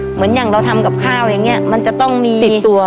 เหมือนอย่างเราทำกับข้าวอย่างนี้มันจะต้องมีติดตัว